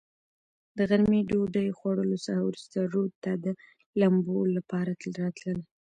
د غرمې ډوډوۍ خوړلو څخه ورورسته رود ته د لمبو لپاره راتلل.